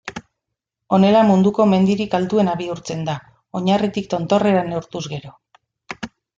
Honela munduko mendirik altuena bihurtzen da, oinarritik tontorrera neurtuz gero.